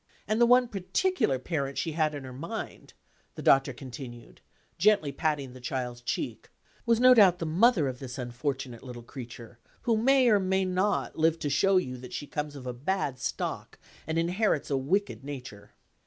And the one particular parent she had in her mind," the Doctor continued, gently patting the child's cheek, "was no doubt the mother of this unfortunate little creature who may, or may not, live to show you that she comes of a bad stock and inherits a wicked nature."